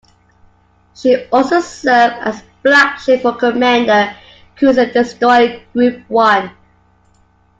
She also served as Flagship for Commander, Cruiser-Destroyer Group One.